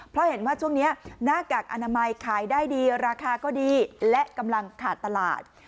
เพราะเห็นว่าช่วงนี้หน้ากากอนามัยขายได้ดีราคาก็ดีและกำลังขาดตลาด